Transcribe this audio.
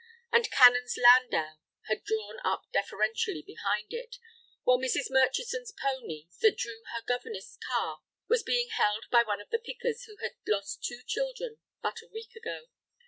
The Canon's landau had drawn up deferentially behind it, while Mrs. Murchison's pony, that drew her governess car, was being held by one of the pickers who had lost two children but a week ago.